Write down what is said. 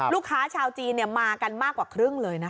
ชาวจีนมากันมากกว่าครึ่งเลยนะคะ